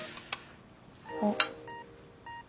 あっ。